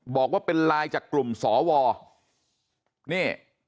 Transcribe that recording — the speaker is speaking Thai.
บอกว่าเป็นไลน์จากกลุ่มสวนี่